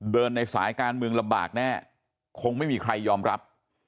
ในสายการเมืองลำบากแน่คงไม่มีใครยอมรับ